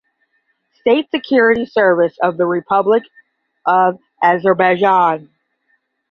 State Security Service of the Republic of Azerbaijan